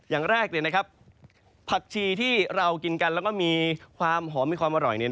อย่างแรกผักชีที่เรากินกันแล้วก็มีความหอมมีความอร่อย